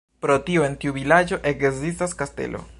Pro tio en tiu vilaĝo ekzistas kastelo.